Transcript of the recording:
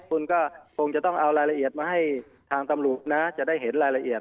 คุณก็คงจะต้องเอารายละเอียดมาให้ทางตำรวจนะจะได้เห็นรายละเอียด